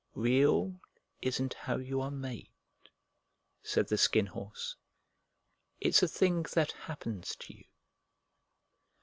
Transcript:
"Real isn't how you are made," said the Skin Horse. "It's a thing that happens to you.